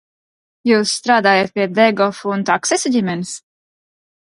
Jūs strādājat pie Degofu un Taksisu ģimenes?